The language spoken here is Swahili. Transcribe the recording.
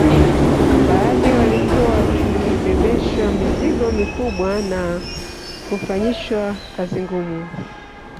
Baadhi walikuwa wakibebeshwa mizigo mikubwa na kufanyishwa kazi ngumu